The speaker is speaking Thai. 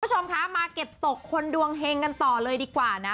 คุณผู้ชมคะมาเก็บตกคนดวงเฮงกันต่อเลยดีกว่านะ